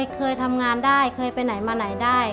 เคยทำงานได้เคยไปไหนมาไหนได้